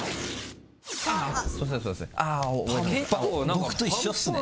僕と一緒ですね